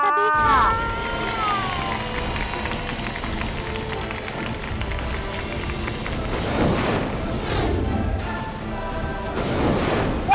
สวัสดีค่ะ